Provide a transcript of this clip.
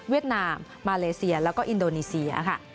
เวียดนามมาเลเซียแล้วก็อินโดนีเซีย